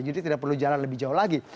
jadi tidak perlu jalan lebih jauh lagi